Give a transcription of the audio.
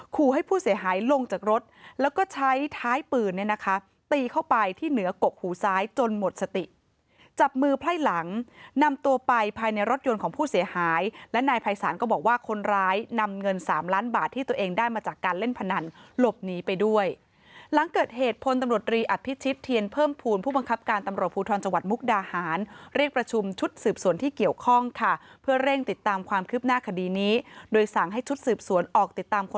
คูให้ผู้เสียหายลงจากรถแล้วก็ใช้ท้ายปืนเนี่ยนะคะตีเข้าไปที่เหนือกกหูซ้ายจนหมดสติจับมือไพ่หลังนำตัวไปภายในรถยนต์ของผู้เสียหายและนายภัยสารก็บอกว่าคนร้ายนำเงินสามล้านบาทที่ตัวเองได้มาจากการเล่นผนันหลบหนีไปด้วยหลังเกิดเหตุพลตำลดรีอัดภิชิทธิ์เทียนเพิ่มภูมิผู้บังค